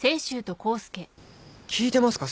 聞いてますか？